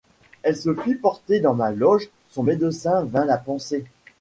Elle se fit porter dans ma loge ; son médecin vint la panser.